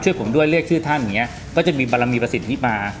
ช่วยผมด้วยเรียกชื่อท่านอย่างเงี้ยก็จะมีบารมีประสิทธิ์นี้มา